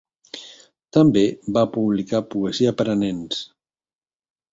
També va publicar poesia per a nens.